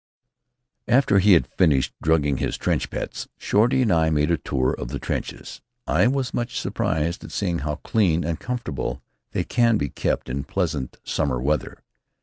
After he had finished drugging his trench pets, Shorty and I made a tour of the trenches. I was much surprised at seeing how clean and comfortable they can be kept in pleasant summer weather.